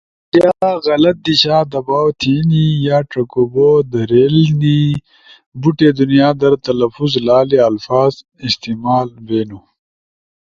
یا غلط دیشا دباؤ تھینی، یا چکو بو دھریلنی، بوٹی دنیا در تلفظ لالی الفاظ استعمال بینو،